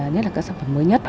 nhất là các sản phẩm mới nhất